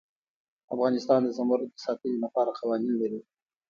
افغانستان د زمرد د ساتنې لپاره قوانین لري.